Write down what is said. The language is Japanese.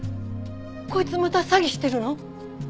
こいつまた詐欺してるの？